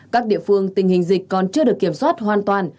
các địa phương tình hình dịch còn chưa được kiểm soát hoàn toàn